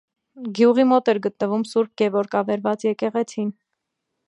Գյուղի մոտ էր գտնվում Ս. Գևորգ ավերված եկեղեցին։